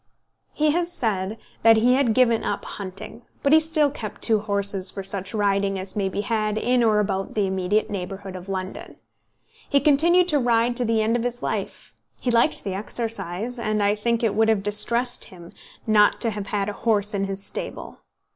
He has said that he had given up hunting; but he still kept two horses for such riding as may be had in or about the immediate neighbourhood of London. He continued to ride to the end of his life: he liked the exercise, and I think it would have distressed him not to have had a horse in his stable.